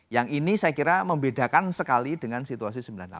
yang ini saya kira membedakan sekali dengan situasi sembilan puluh delapan